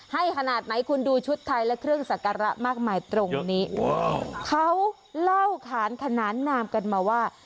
ให้ขนาดไหนคุณดูชุดไทยและเครื่องสักการะมากมายตรงนี้เขาเล่าขานขนานนามกันมาว่า